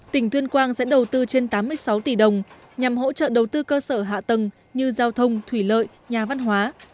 tỉnh tuyên quang sẽ đầu tư trên tám mươi sáu tỷ đồng nhằm hỗ trợ đầu tư cơ sở hạ tầng như giao thông thủy lợi nhà văn hóa